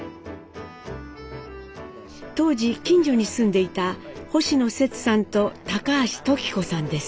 当時近所に住んでいた星野セツさんと高橋時子さんです。